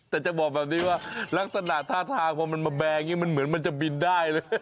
แต่จะบอกแบบนี้ว่าลักษณะท่าทางพอมันมาแบร์อย่างนี้มันเหมือนมันจะบินได้เลย